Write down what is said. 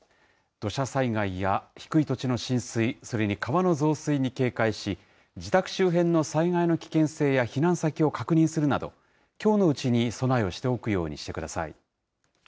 土砂災害や低い土地の浸水、それに川の増水に警戒し、自宅周辺の災害の危険性や避難先を確認するなど、きょうのうちに備えをしておくようにしてください。